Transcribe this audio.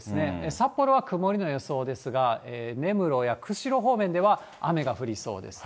札幌は曇りの予想ですが、根室や釧路方面では雨が降りそうです。